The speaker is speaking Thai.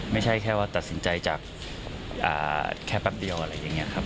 ไม่ใช่แค่ว่าตัดสินใจจากแค่แป๊บเดียวอะไรอย่างนี้ครับ